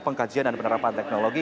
pengkajian dan penerapan teknologi